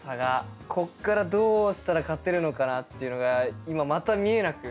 ここからどうしたら勝てるのかなっていうのが今また見えなく。